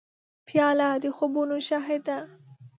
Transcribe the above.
پیاله د خوبونو شاهد ده.